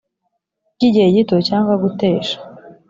by igihe gito cyangwa gutesha